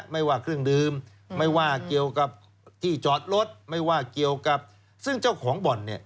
ไม่ว่าเครื่องดื่มไม่ว่าเกี่ยวกับที่จอดรถไม่ว่าเกี่ยวกับซึ่งเจ้าของบ่อนเนี่ย